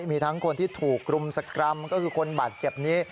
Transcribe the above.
มีทั้งคนที่ถูกรุมสกรรมก็คือคนบาดเจ็บนี้